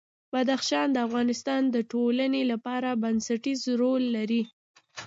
بدخشان د افغانستان د ټولنې لپاره بنسټيز رول لري.